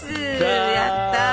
やったー。